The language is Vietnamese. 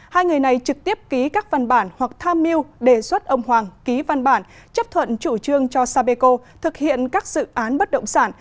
hai người này trực tiếp ký các văn bản hoặc tham mưu đề xuất ông hoàng ký văn bản chấp thuận chủ trương cho sapeco thực hiện các dự án bất động sản